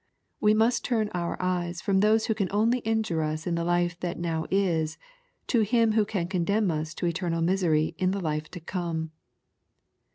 We must turn our eyes from those who can only injure us in the life that now is, to Him who can condemn us to eternal misery in the life to come.